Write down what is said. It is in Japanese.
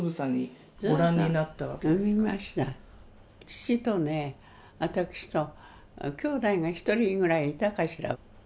父とね私ときょうだいが１人ぐらいいたかしら。